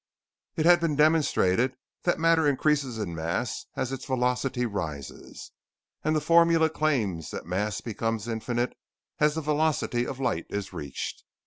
It had been demonstrated that matter increases in mass as its velocity rises, and the formula claims that the mass becomes infinite as the velocity of light is reached.